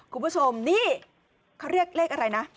คุณผู้ชมนี่เขาเรียกเลขอะไรนะ